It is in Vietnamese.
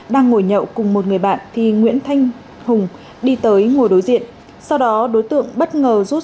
đang ngồi nhậu cùng một người bạn thì nguyễn thanh hùng đi tới ngồi đối diện sau đó đối tượng bất ngờ rút